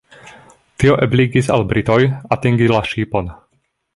Tio ebligis al britoj atingi la ŝipon.